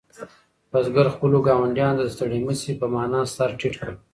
بزګر خپلو ګاونډیانو ته د ستړي مه شي په مانا سر ټیټ کړ.